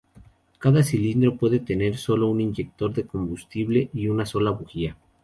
Cada cilindro puede tener solo un inyector de combustible y una sola bujía.